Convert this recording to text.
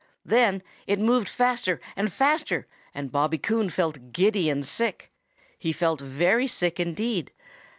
Then it moved faster and faster, and Bobby Coon felt giddy and sick. He felt very sick indeed.